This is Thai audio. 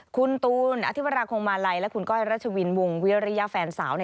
คุณตูนอธิวราคงมาลัยและคุณก้อยรัชวินวงวิริยแฟนสาว